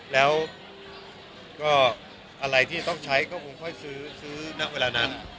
แล้วก็อะไรที่ต้องใช้ก็คงค่อยซื้อซื้อณเวลานั้น